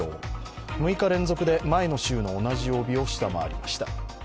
６日連続で前の週の同じ曜日を下回りました。